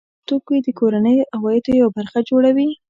د لبنیاتو توکي د کورنیو عوایدو یوه برخه جوړوي.